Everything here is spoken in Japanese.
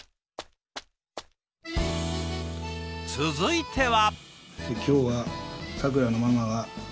続いては。